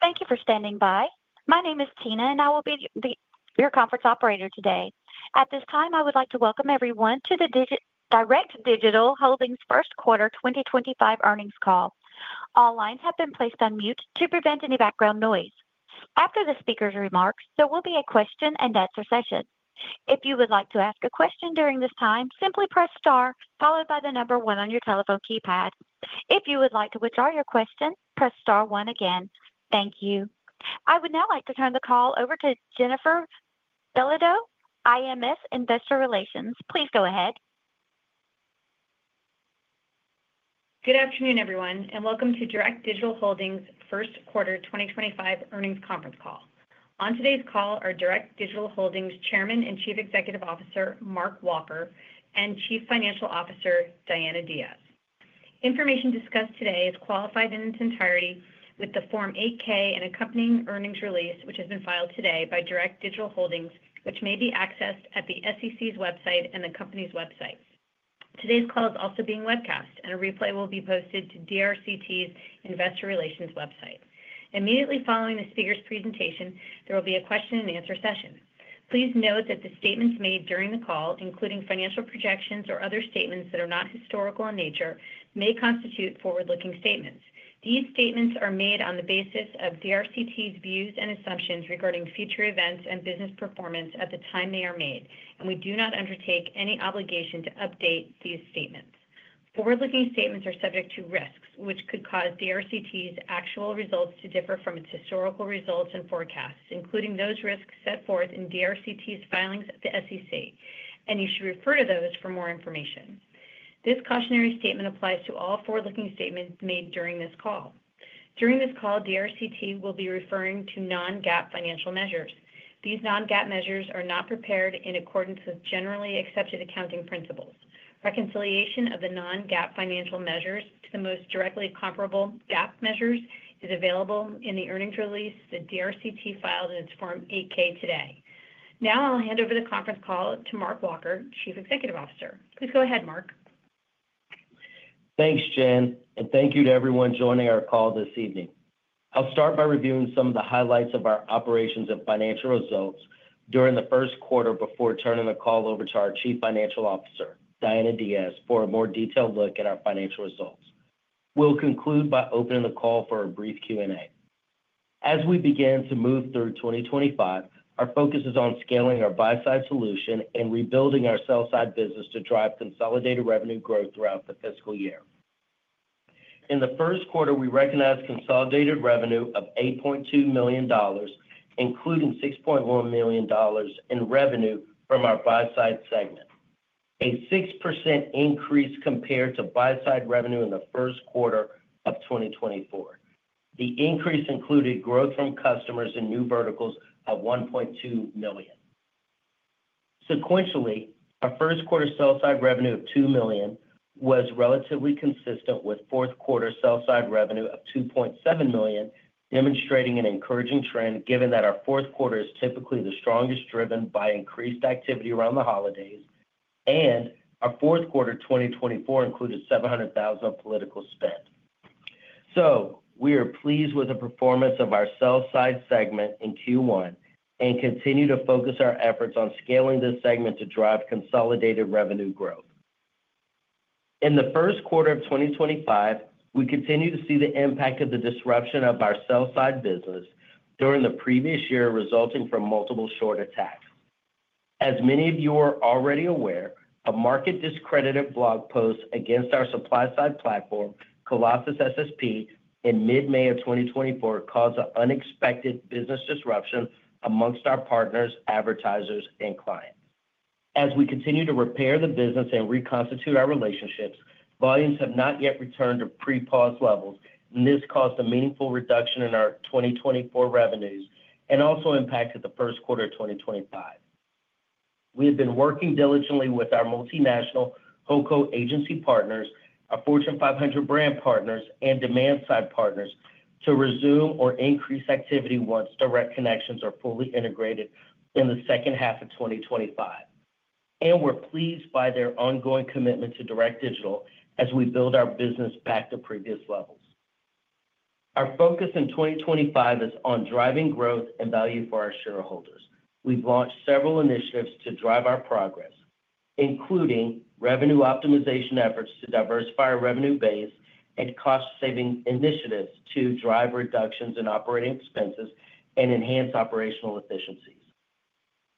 Thank you for standing by. My name is Tina, and I will be your conference operator today. At this time, I would like to welcome everyone to the Direct Digital Holdings' first quarter 2025 earnings call. All lines have been placed on mute to prevent any background noise. After the speaker's remarks, there will be a question-and-answer session. If you would like to ask a question during this time, simply press star, followed by the number one on your telephone keypad. If you would like to withdraw your question, press star one again. Thank you. I would now like to turn the call over to Jennifer Bellido, IMS Investor Relations. Please go ahead. Good afternoon, everyone, and welcome to Direct Digital Holdings' first quarter 2025 earnings conference call. On today's call are Direct Digital Holdings' Chairman and Chief Executive Officer Mark Walker and Chief Financial Officer Diana Diaz. Information discussed today is qualified in its entirety with the Form 8-K and accompanying earnings release, which has been filed today by Direct Digital Holdings, which may be accessed at the SEC's website and the company's website. Today's call is also being webcast, and a replay will be posted to DRCT's Investor Relations website. Immediately following the speaker's presentation, there will be a question-and-answer session. Please note that the statements made during the call, including financial projections or other statements that are not historical in nature, may constitute forward-looking statements. These statements are made on the basis of DRCT's views and assumptions regarding future events and business performance at the time they are made, and we do not undertake any obligation to update these statements. Forward-looking statements are subject to risks, which could cause DRCT's actual results to differ from its historical results and forecasts, including those risks set forth in DRCT's filings at the SEC, and you should refer to those for more information. This cautionary statement applies to all forward-looking statements made during this call. During this call, DRCT will be referring to non-GAAP financial measures. These non-GAAP measures are not prepared in accordance with generally accepted accounting principles. Reconciliation of the non-GAAP financial measures to the most directly comparable GAAP measures is available in the earnings release that DRCT filed in its Form 8-K today. Now I'll hand over the conference call to Mark Walker, Chief Executive Officer. Please go ahead, Mark. Thanks, Jen, and thank you to everyone joining our call this evening. I'll start by reviewing some of the highlights of our operations and financial results during the first quarter before turning the call over to our Chief Financial Officer, Diana Diaz, for a more detailed look at our financial results. We'll conclude by opening the call for a brief Q&A. As we begin to move through 2025, our focus is on scaling our buy-side solution and rebuilding our sell-side business to drive consolidated revenue growth throughout the fiscal year. In the first quarter, we recognized consolidated revenue of $8.2 million, including $6.1 million in revenue from our buy-side segment, a 6% increase compared to buy-side revenue in the first quarter of 2024. The increase included growth from customers in new verticals of $1.2 million. Sequentially, our first quarter sell-side revenue of $2 million was relatively consistent with fourth quarter sell-side revenue of $2.7 million, demonstrating an encouraging trend given that our fourth quarter is typically the strongest driven by increased activity around the holidays, and our fourth quarter 2024 included $700,000 of political spend. We are pleased with the performance of our sell-side segment in Q1 and continue to focus our efforts on scaling this segment to drive consolidated revenue growth. In the first quarter of 2025, we continue to see the impact of the disruption of our sell-side business during the previous year resulting from multiple short attacks. As many of you are already aware, a market-discredited blog post against our supply-side platform, Colossus SSP, in mid-May of 2024 caused an unexpected business disruption amongst our partners, advertisers, and clients. As we continue to repair the business and reconstitute our relationships, volumes have not yet returned to pre-pause levels, and this caused a meaningful reduction in our 2024 revenues and also impacted the first quarter of 2025. We have been working diligently with our multinational, holding company agency partners, our Fortune 500 brand partners, and demand-side partners to resume or increase activity once direct connections are fully integrated in the second half of 2025, and we're pleased by their ongoing commitment to Direct Digital as we build our business back to previous levels. Our focus in 2025 is on driving growth and value for our shareholders. We've launched several initiatives to drive our progress, including revenue optimization efforts to diversify our revenue base and cost-saving initiatives to drive reductions in operating expenses and enhance operational efficiencies.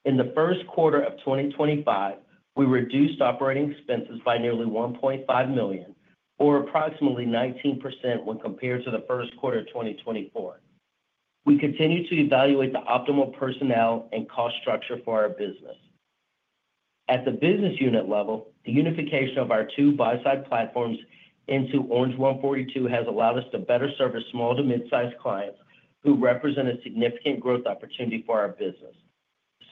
In the first quarter of 2025, we reduced operating expenses by nearly $1.5 million, or approximately 19% when compared to the first quarter of 2024. We continue to evaluate the optimal personnel and cost structure for our business. At the business unit level, the unification of our two buy-side platforms into Orange 142 has allowed us to better service small to mid-sized clients who represent a significant growth opportunity for our business.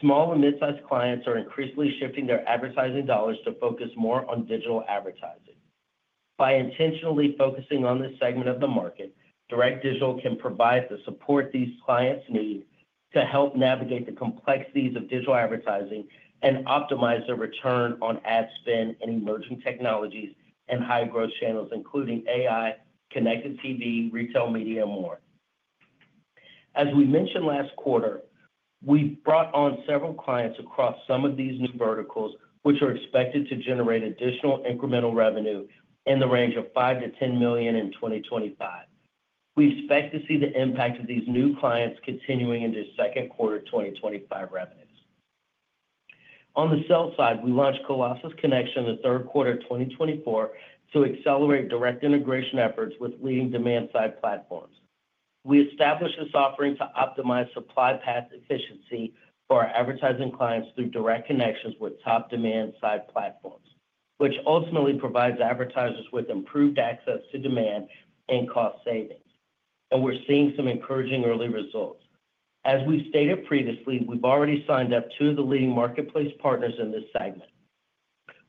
Small and mid-sized clients are increasingly shifting their advertising dollars to focus more on digital advertising. By intentionally focusing on this segment of the market, Direct Digital can provide the support these clients need to help navigate the complexities of digital advertising and optimize the return on ad spend in emerging technologies and high-growth channels, including AI, connected TV, retail media, and more. As we mentioned last quarter, we brought on several clients across some of these new verticals, which are expected to generate additional incremental revenue in the range of $5 million-$10 million in 2025. We expect to see the impact of these new clients continuing into second quarter 2025 revenues. On the sell side, we launched Colossus Connection in the third quarter of 2024 to accelerate direct integration efforts with leading demand-side platforms. We established this offering to optimize supply path efficiency for our advertising clients through direct connections with top demand-side platforms, which ultimately provides advertisers with improved access to demand and cost savings, and we're seeing some encouraging early results. As we stated previously, we've already signed up two of the leading marketplace partners in this segment.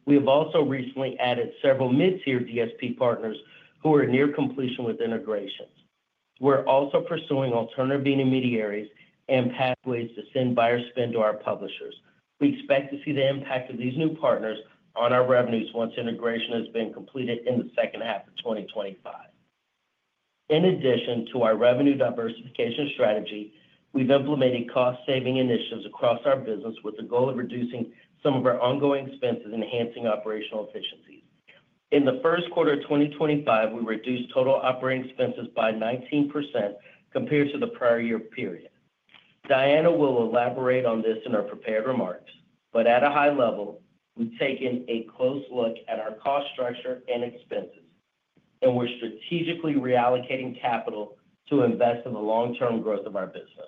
We have also recently added several mid-tier DSP partners who are near completion with integrations. We're also pursuing alternative bean intermediaries and pathways to send buyer spend to our publishers. We expect to see the impact of these new partners on our revenues once integration has been completed in the second half of 2025. In addition to our revenue diversification strategy, we've implemented cost-saving initiatives across our business with the goal of reducing some of our ongoing expenses and enhancing operational efficiencies. In the first quarter of 2025, we reduced total operating expenses by 19% compared to the prior year period. Diana will elaborate on this in her prepared remarks, but at a high level, we've taken a close look at our cost structure and expenses, and we're strategically reallocating capital to invest in the long-term growth of our business.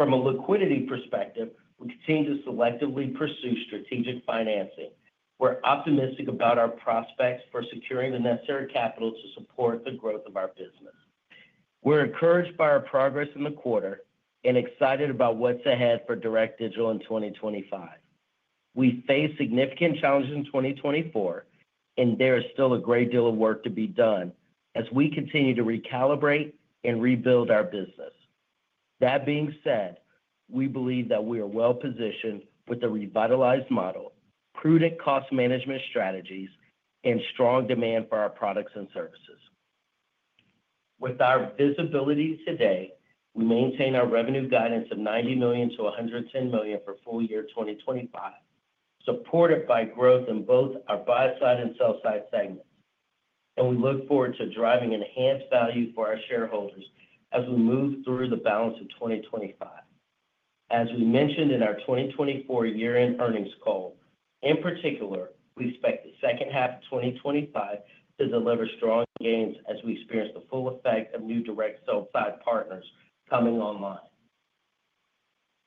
From a liquidity perspective, we continue to selectively pursue strategic financing. We're optimistic about our prospects for securing the necessary capital to support the growth of our business. We're encouraged by our progress in the quarter and excited about what's ahead for Direct Digital in 2025. We face significant challenges in 2024, and there is still a great deal of work to be done as we continue to recalibrate and rebuild our business. That being said, we believe that we are well-positioned with a revitalized model, prudent cost management strategies, and strong demand for our products and services. With our visibility today, we maintain our revenue guidance of $90 million-$110 million for full year 2025, supported by growth in both our buy-side and sell-side segments, and we look forward to driving enhanced value for our shareholders as we move through the balance of 2025. As we mentioned in our 2024 year-end earnings call, in particular, we expect the second half of 2025 to deliver strong gains as we experience the full effect of new direct sell-side partners coming online.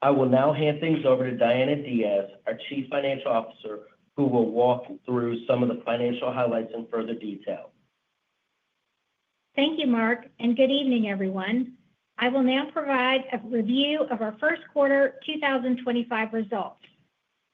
I will now hand things over to Diana Diaz, our Chief Financial Officer, who will walk through some of the financial highlights in further detail. Thank you, Mark, and good evening, everyone. I will now provide a review of our first quarter 2025 results.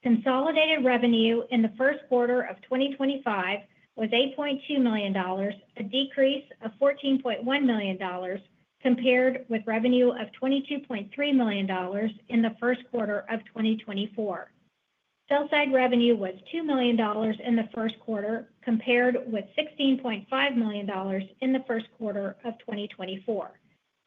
Consolidated revenue in the first quarter of 2025 was $8.2 million, a decrease of $14.1 million compared with revenue of $22.3 million in the first quarter of 2024. Sell-side revenue was $2 million in the first quarter compared with $16.5 million in the first quarter of 2024.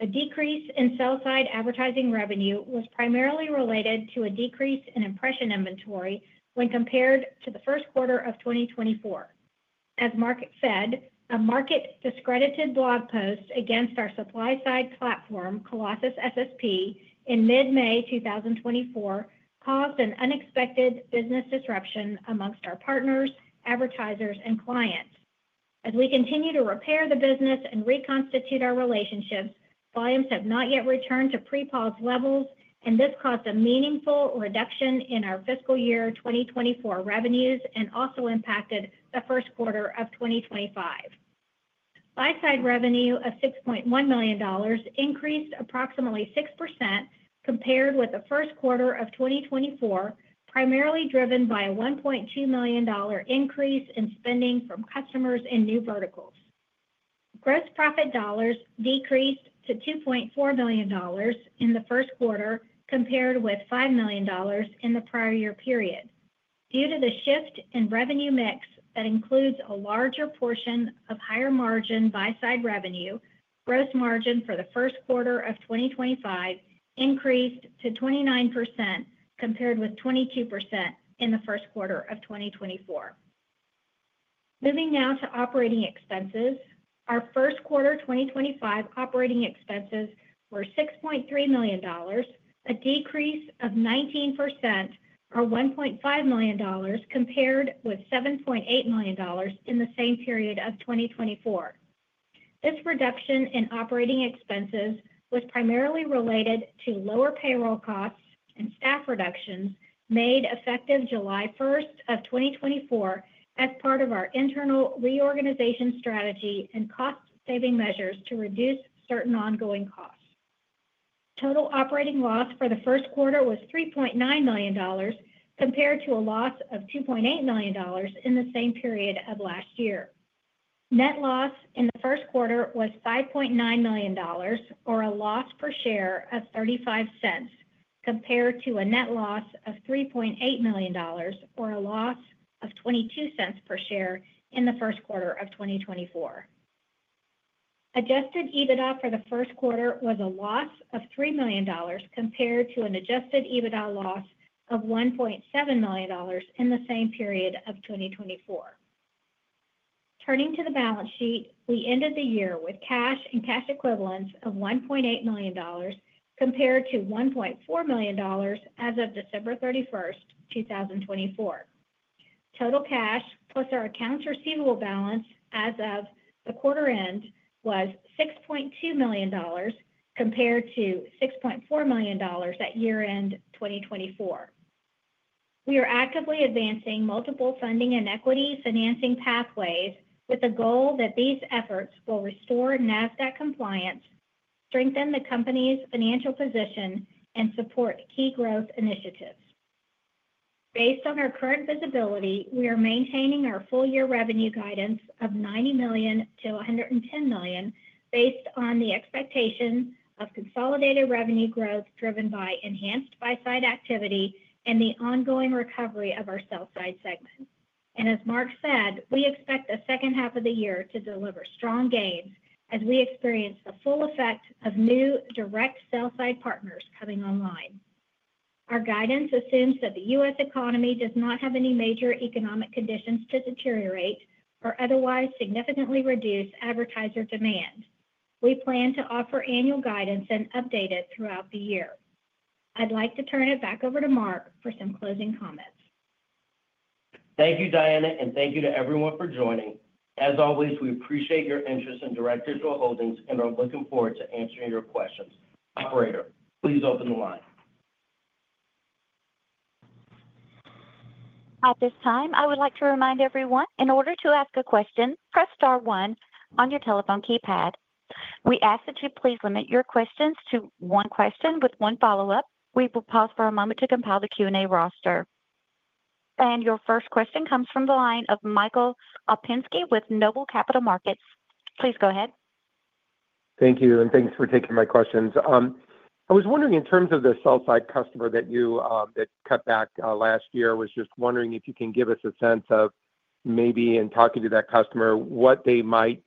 The decrease in sell-side advertising revenue was primarily related to a decrease in impression inventory when compared to the first quarter of 2024. As Mark said, a market-discredited blog post against our supply-side platform, Colossus SSP, in mid-May 2024 caused an unexpected business disruption amongst our partners, advertisers, and clients. As we continue to repair the business and reconstitute our relationships, volumes have not yet returned to pre-pause levels, and this caused a meaningful reduction in our fiscal year 2024 revenues and also impacted the first quarter of 2025. Buy-side revenue of $6.1 million increased approximately 6% compared with the first quarter of 2024, primarily driven by a $1.2 million increase in spending from customers in new verticals. Gross profit dollars decreased to $2.4 million in the first quarter compared with $5 million in the prior year period. Due to the shift in revenue mix that includes a larger portion of higher margin buy-side revenue, gross margin for the first quarter of 2025 increased to 29% compared with 22% in the first quarter of 2024. Moving now to operating expenses, our first quarter 2025 operating expenses were $6.3 million, a decrease of 19% or $1.5 million compared with $7.8 million in the same period of 2024. This reduction in operating expenses was primarily related to lower payroll costs and staff reductions made effective July 1 of 2024 as part of our internal reorganization strategy and cost-saving measures to reduce certain ongoing costs. Total operating loss for the first quarter was $3.9 million compared to a loss of $2.8 million in the same period of last year. Net loss in the first quarter was $5.9 million, or a loss per share of $0.35, compared to a net loss of $3.8 million, or a loss of $0.22 per share in the first quarter of 2024. Adjusted EBITDA for the first quarter was a loss of $3 million compared to an adjusted EBITDA loss of $1.7 million in the same period of 2024. Turning to the balance sheet, we ended the year with cash and cash equivalents of $1.8 million compared to $1.4 million as of December 31, 2024. Total cash plus our accounts receivable balance as of the quarter end was $6.2 million compared to $6.4 million at year-end 2024. We are actively advancing multiple funding and equity financing pathways with the goal that these efforts will restore Nasdaq compliance, strengthen the company's financial position, and support key growth initiatives. Based on our current visibility, we are maintaining our full year revenue guidance of $90 million-$110 million based on the expectation of consolidated revenue growth driven by enhanced buy-side activity and the ongoing recovery of our sell-side segment. As Mark said, we expect the second half of the year to deliver strong gains as we experience the full effect of new direct sell-side partners coming online. Our guidance assumes that the U.S. economy does not have any major economic conditions to deteriorate or otherwise significantly reduce advertiser demand. We plan to offer annual guidance and update it throughout the year. I'd like to turn it back over to Mark for some closing comments. Thank you, Diana, and thank you to everyone for joining. As always, we appreciate your interest in Direct Digital Holdings and are looking forward to answering your questions. Operator, please open the line. At this time, I would like to remind everyone, in order to ask a question, press star one on your telephone keypad. We ask that you please limit your questions to one question with one follow-up. We will pause for a moment to compile the Q&A roster. Your first question comes from the line of Michael Opinsky with Noble Capital Markets. Please go ahead. Thank you, and thanks for taking my questions. I was wondering, in terms of the sell-side customer that you cut back last year, I was just wondering if you can give us a sense of maybe, in talking to that customer, what they might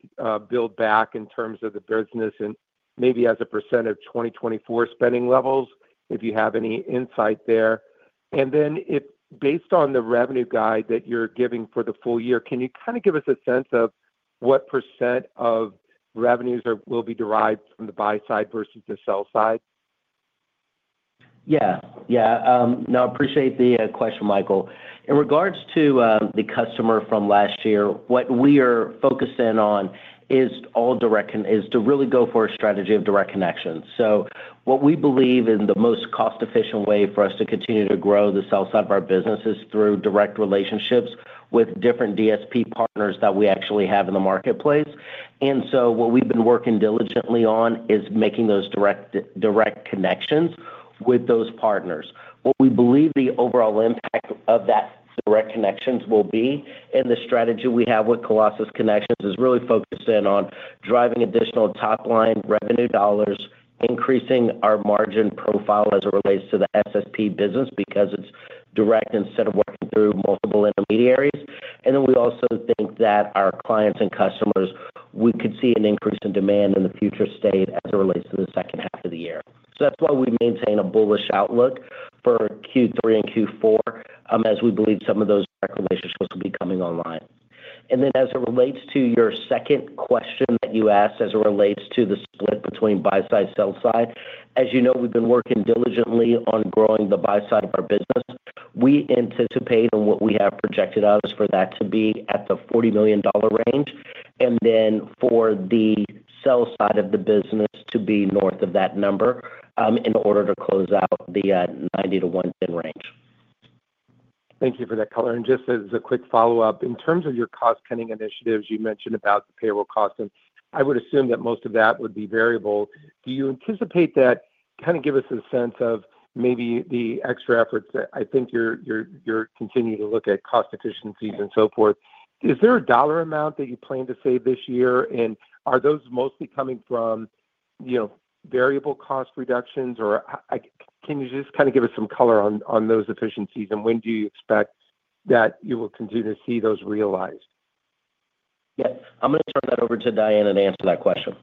build back in terms of the business and maybe as a % of 2024 spending levels, if you have any insight there. Then, based on the revenue guide that you're giving for the full year, can you kind of give us a sense of what % of revenues will be derived from the buy-side versus the sell-side? Yes. Yeah. No, I appreciate the question, Michael. In regards to the customer from last year, what we are focusing on is all direct is to really go for a strategy of direct connections. What we believe in the most cost-efficient way for us to continue to grow the sell-side of our business is through direct relationships with different DSP partners that we actually have in the marketplace. What we have been working diligently on is making those direct connections with those partners. What we believe the overall impact of that direct connections will be in the strategy we have with Colossus Connections is really focused in on driving additional top-line revenue dollars, increasing our margin profile as it relates to the SSP business because it is direct instead of working through multiple intermediaries. We also think that our clients and customers, we could see an increase in demand in the future state as it relates to the second half of the year. That is why we maintain a bullish outlook for Q3 and Q4, as we believe some of those direct relationships will be coming online. As it relates to your second question that you asked as it relates to the split between buy-side and sell-side, as you know, we've been working diligently on growing the buy-side of our business. We anticipate and what we have projected out is for that to be at the $40 million range, and for the sell-side of the business to be north of that number in order to close out the $90 million-$110 million range. Thank you for that, color. Just as a quick follow-up, in terms of your cost-pending initiatives, you mentioned about the payroll costs, and I would assume that most of that would be variable. Do you anticipate that, kind of give us a sense of maybe the extra efforts that I think you're continuing to look at cost efficiencies and so forth? Is there a dollar amount that you plan to save this year, and are those mostly coming from variable cost reductions, or can you just kind of give us some color on those efficiencies, and when do you expect that you will continue to see those realized? Yes. I'm going to turn that over to Diana to answer that question.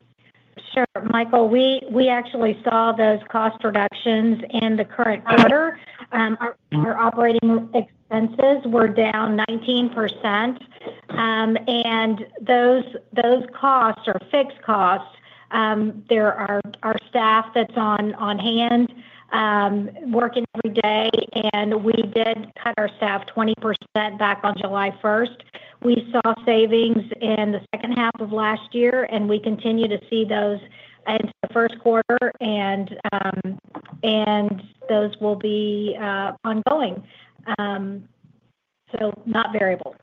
Sure. Michael, we actually saw those cost reductions in the current quarter. Our operating expenses were down 19%, and those costs are fixed costs. There are staff that's on hand working every day, and we did cut our staff 20% back on July 1. We saw savings in the second half of last year, and we continue to see those into the first quarter, and those will be ongoing. Not variable.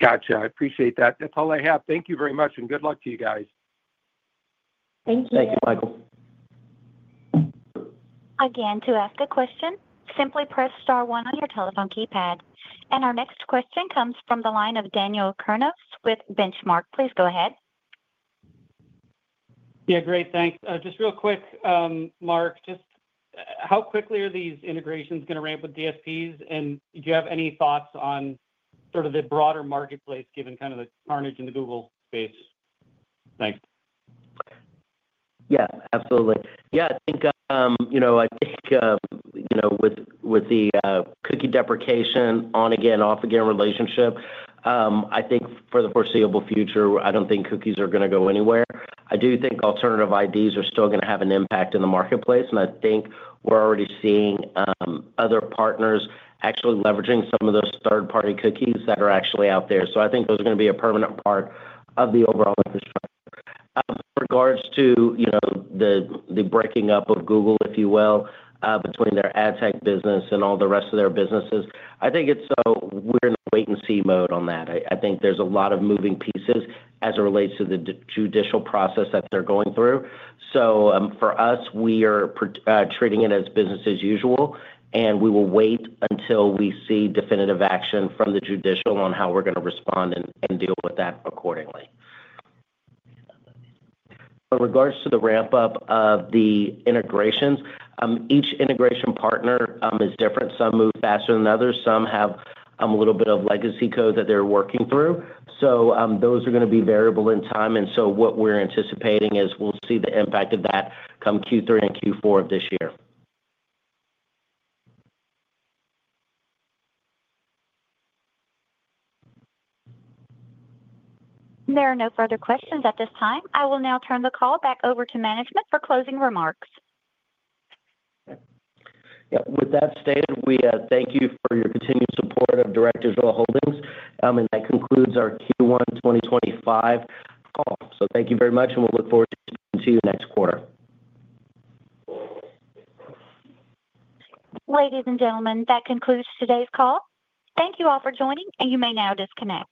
Gotcha. I appreciate that. That's all I have. Thank you very much, and good luck to you guys. Thank you. Thank you, Michael. Again, to ask a question, simply press star one on your telephone keypad. Our next question comes from the line of Daniel Kurnos with Benchmark. Please go ahead. Yeah, great. Thanks. Just real quick, Mark, just how quickly are these integrations going to ramp with DSPs, and do you have any thoughts on sort of the broader marketplace given kind of the carnage in the Google space? Thanks. Yeah, absolutely. Yeah, I think with the cookie deprecation on-again, off-again relationship, I think for the foreseeable future, I do not think cookies are going to go anywhere. I do think alternative IDs are still going to have an impact in the marketplace, and I think we are already seeing other partners actually leveraging some of those third-party cookies that are actually out there. I think those are going to be a permanent part of the overall infrastructure. In regards to the breaking up of Google, if you will, between their ad tech business and all the rest of their businesses, I think we are in the wait-and-see mode on that. I think there are a lot of moving pieces as it relates to the judicial process that they are going through. For us, we are treating it as business as usual, and we will wait until we see definitive action from the judicial on how we're going to respond and deal with that accordingly. In regards to the ramp-up of the integrations, each integration partner is different. Some move faster than others. Some have a little bit of legacy code that they're working through. Those are going to be variable in time. What we're anticipating is we'll see the impact of that come Q3 and Q4 of this year. There are no further questions at this time. I will now turn the call back over to management for closing remarks. Yeah. With that stated, we thank you for your continued support of Direct Digital Holdings, and that concludes our Q1 2025 call. Thank you very much, and we'll look forward to seeing you next quarter. Ladies and gentlemen, that concludes today's call. Thank you all for joining, and you may now disconnect.